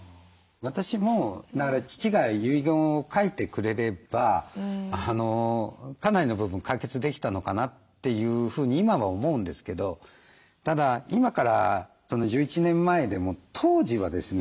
私もだから父が遺言を書いてくれればかなりの部分解決できたのかなというふうに今は思うんですけどただ今から１１年前でも当時はですね